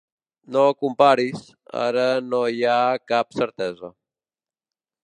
No comparis, ara no hi ha cap certesa.